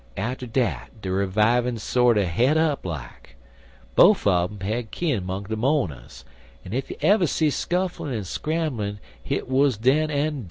Atter dat de revivin' sorter het up like. Bofe un um had kin 'mong de mo'ners, an' ef you ever see skufflin' an' scramblin' hit wuz den an' dar.